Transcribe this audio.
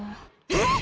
えっ！